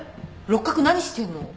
六角何してんの？